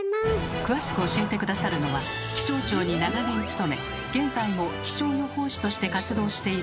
詳しく教えて下さるのは気象庁に長年勤め現在も気象予報士として活動している